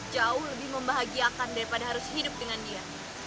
jauh lebih membahagiakan daripada harus hidup dengan dia